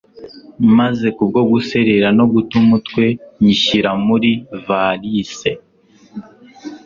maze kubwo guserera no guta umutwe nyishyira muri valise